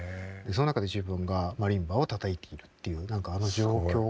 その中で自分がマリンバをたたいているっていう何かあの状況がですね